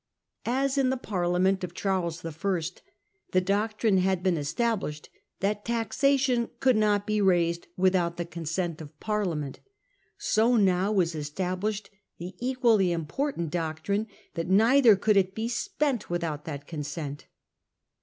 As in the Parliament of Charles I. the doctrine had been established that taxation could not be raised without the consent of Parliament, so now was established the equally important doctrine that neither could it be spent without that consent.